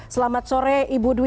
selamat sore ibu dwi